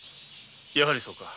やはりそうか。